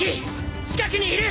近くにいる！